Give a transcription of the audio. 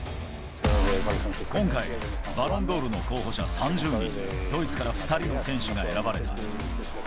今回、バロンドールの候補者３０人に、ドイツから２人の選手が選ばれた。